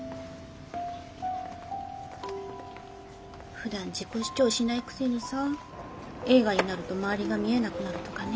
ふだん自己主張しないくせにさ映画になると周りが見えなくなるとかね。